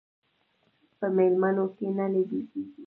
په میلمنو کې نه لیدل کېږي.